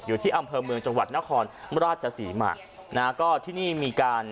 อยู่ที่อำเภอเมืองจังหวัดนครราชศรีมานะฮะก็ที่นี่มีการ